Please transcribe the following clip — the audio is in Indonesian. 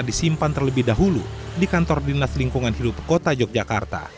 disimpan terlebih dahulu di kantor dinas lingkungan hidup kota yogyakarta